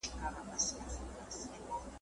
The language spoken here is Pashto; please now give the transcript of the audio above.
ګیله من له خپل څښتنه له انسان سو ,